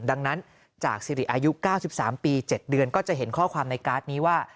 ดังนั้นจากสิริอายุ๙๓ปี๗เดือนก็จะเห็นข้อความในการ์ดนี้ว่า